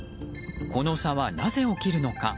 この差はなぜ起きるのか。